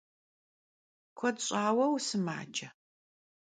Kued ş'aue vusımace?